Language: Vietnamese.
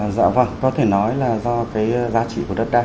dạ vâng có thể nói là do cái giá trị của đất đai